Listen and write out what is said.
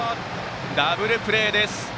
ダブルプレーです！